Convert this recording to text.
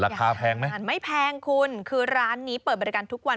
แพงไหมไม่แพงคุณคือร้านนี้เปิดบริการทุกวัน